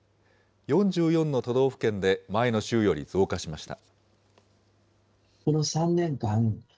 ４４の都道府県で前の週より増加しました。